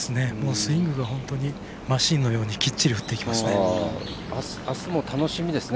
スイングが、本当にマシンのようにきっちり打っていきますね。